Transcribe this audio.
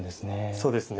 そうですね。